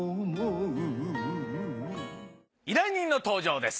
依頼人の登場です。